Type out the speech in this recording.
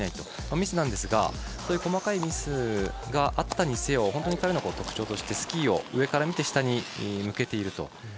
これはミスなんですが細かいミスがあったにせよ本当に彼の特徴としてスキーを上から見て下に向けていると。